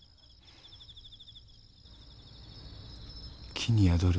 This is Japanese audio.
木に宿る。